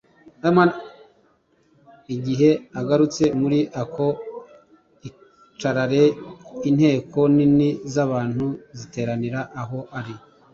Igihe agarutse muri ako Icarere, inteko nini z'abantu ziteranira aho ari,